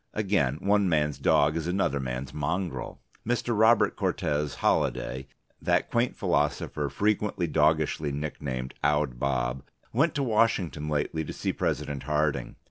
Again, one man's dog is another man's mongrel. Mr. Robert Cortes Holliday, that quaint philosopher frequently doggishly nicknamed Owd Bob, went to Washington lately to see President Harding.